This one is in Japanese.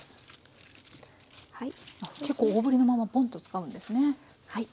結構大ぶりのままぼんと使うんですね。